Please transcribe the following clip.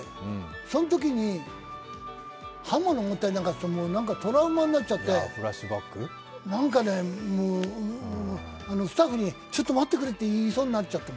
そのときに刃物持ったりなんかするとトラウマになっちゃってなんかね、スタッフに「ちょっと待ってくれ」と言いそうになっちゃって。